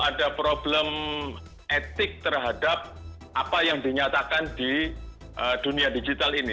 ada problem etik terhadap apa yang dinyatakan di dunia digital ini